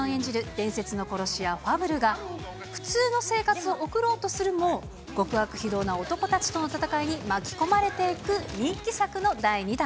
伝説の殺し屋、ファブルが、普通の生活を送ろうとするも、極悪非道な男たちとの戦いに巻き込まれていく人気作の第２弾。